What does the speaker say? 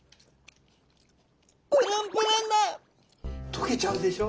溶けちゃうでしょ？